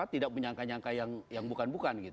tidak menyangka nyangka yang bukan bukan